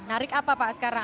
apa pak sekarang